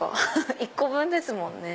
１個分ですもんね。